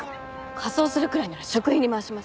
仮装するくらいなら食費に回します。